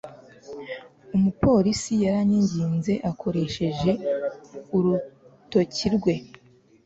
umupolisi yaranyinginze akoresheje urutoki rwe